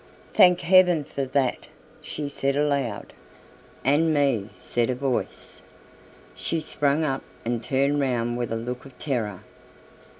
"Thank heaven for that," she said aloud. "And me," said a voice. She sprang up and turned round with a look of terror. "Mr.